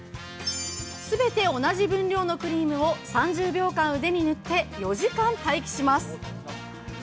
全て同じ分量のクリームを３０秒間、腕に塗って４時間待機します。